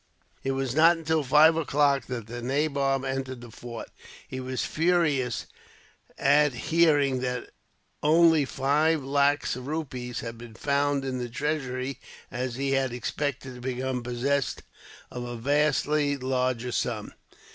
It was not until five o'clock that the nabob entered the fort. He was furious at hearing that only five lacs of rupees had been found in the treasury, as he had expected to become possessed of a vastly larger sum.